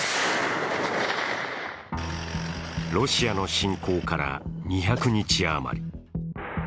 ロシアの侵攻から２００日余り。